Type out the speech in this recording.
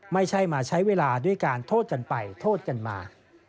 ไม่ใช่มาใช้เวลาด้วยการโทษกันไปโทษกันมา